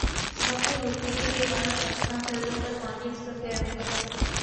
smuggling روکنے کیلئے Iran Afghanistan سرحدوں پر مارکیٹس کے قیام کا فیصلہ